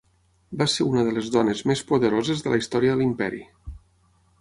Va ser una de les dones més poderoses de la història de l'Imperi.